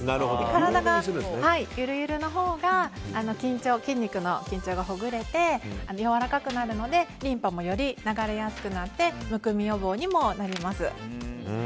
体がゆるゆるのほうが筋肉の緊張がほぐれて、やわらかくなるのでリンパも、より流れやすくなりむくみ予防にもなります。